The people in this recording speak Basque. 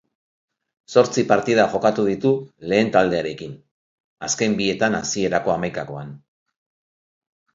Zortzi partida jokatu ditu lehen taldearekin, azken bietan hasierako hamaikakoan.